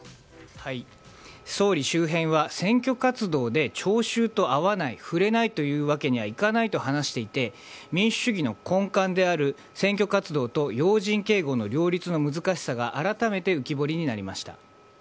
総理周辺は選挙活動で聴衆と会わない、触れないというわけにはいかないと話していて民主主義の根幹である選挙活動と要人警護の両立の難しさが改めて浮き彫りになりました。